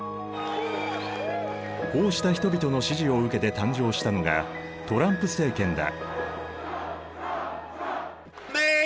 こうした人々の支持を受けて誕生したのがトランプ政権だ。